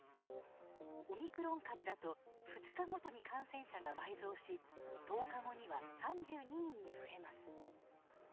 オミクロン株だと２日ごとに感染者が倍増し１０日後には３２人に増えます。